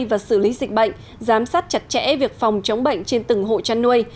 và xử lý dịch bệnh giám sát chặt chẽ việc phòng chống bệnh trên từng hộ chăn nuôi